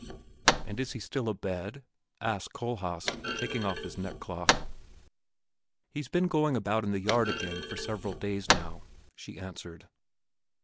"And is he still abed?" asked Kohlhaas, taking off his neckcloth. "He's been going about in the yard again for several days now," she answered.